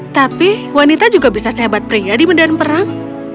tapi wanita juga bisa sehebat pria di medan perang